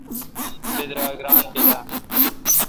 بیدراگ ران بیل اہ؟